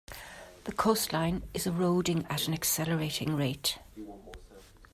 The coastline is eroding at an accelerating rate.